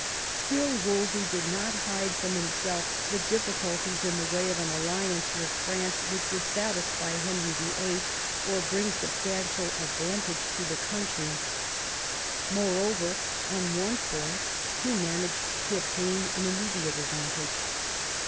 Still Wolsey did not hide from himself the diflB culties in the way of an alliance with France which would satisfy Henry VHL or bring substantial advan tage to the coimtry. However, on one point he managed to obtain an immediate advantage.